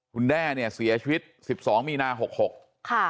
คุณแด้เนี่ยเสียชีวิตสิบสองมีนาหกหกค่ะ